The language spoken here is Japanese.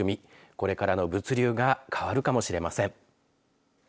これからの物流が変わるかもしれません。